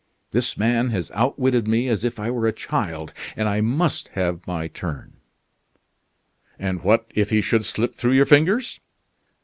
This man has outwitted me as if I were a child, and I must have my turn." "And what if he should slip through your fingers?"